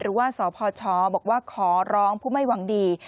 หรือว่าสพชบอกว่าขอร้องผู้ไม่หวังดี